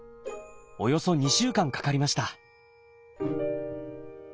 およそ２週間かかりました。